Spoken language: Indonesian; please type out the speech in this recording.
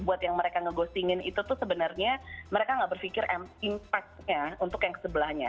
buat yang mereka ngegostingin itu tuh sebenarnya mereka gak berpikir impact nya untuk yang sebelahnya